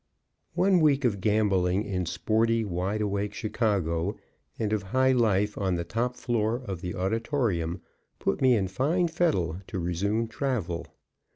_ One week of gamboling in sporty, wide awake Chicago, and of high life on the top floor of the Auditorium, put me in fine fettle to resume travel.